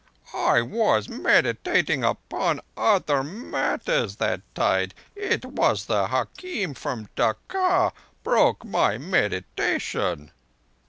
"I was meditating upon other matters that tide. It was the hakim from Dacca broke my meditations."